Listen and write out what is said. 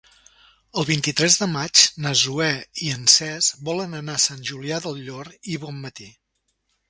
El vint-i-tres de maig na Zoè i en Cesc volen anar a Sant Julià del Llor i Bonmatí.